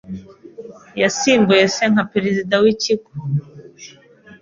Yasimbuye se nka perezida w'ikigo.